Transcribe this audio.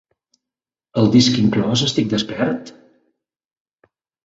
El disc inclòs estic despert?